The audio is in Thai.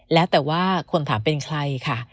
แล้วแต่ว่าคนถามเป็นใครค่ะ